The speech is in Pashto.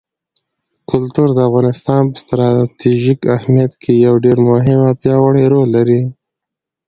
کلتور د افغانستان په ستراتیژیک اهمیت کې یو ډېر مهم او پیاوړی رول لري.